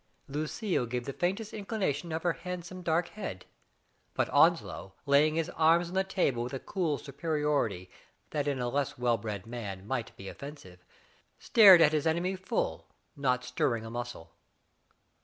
Lucille gave the faintest inclination of her hand some dark head. But Onslow, laying his arms on the table with a cool superiority that in a less well bred man might be offensive, stared at his enemy full, not stirring a muscle.